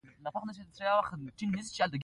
هغه بېچاره یې په تیارې کې پرېښود.